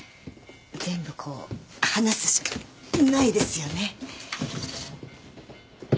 全部こう話すしかないですよね。